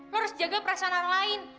gue harus jaga perasaan orang lain